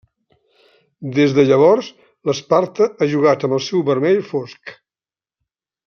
Des de llavors, l'Sparta ha jugat amb el seu vermell fosc.